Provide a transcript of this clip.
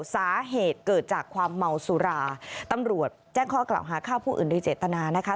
สาเหตุเกิดจากความเมาสุราตำรวจแจ้งข้อกล่าวหาฆ่าผู้อื่นโดยเจตนานะคะ